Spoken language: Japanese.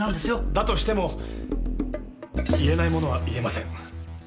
だとしても言えないものは言えません。